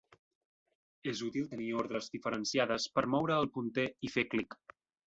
És útil tenir ordres diferenciades per moure el punter i fer clic.